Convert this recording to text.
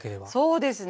そうですね。